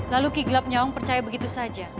lalu ki gelap nyawang percaya begitu saja